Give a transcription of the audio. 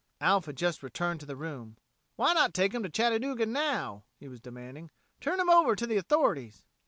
Alf had just returned to the room. "Why not take 'em to Chattanooga now?" he was demanding. "Turn 'em over to the authorities."